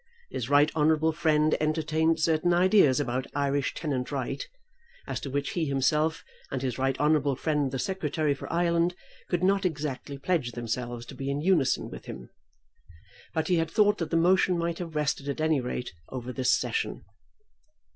His right honourable friend entertained certain ideas about Irish tenant right, as to which he himself and his right honourable friend the Secretary for Ireland could not exactly pledge themselves to be in unison with him; but he had thought that the motion might have rested at any rate over this session.